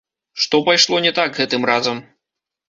Што пайшло не так гэтым разам?